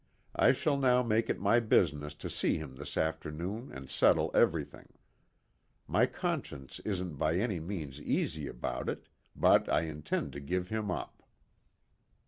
I shall now make it my business to see him this afternoon and settle everything. My conscience isn't by any means easy about it, but I intend to give him up."